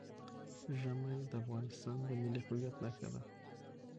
ژمی د افغانستان د ملي هویت نښه ده.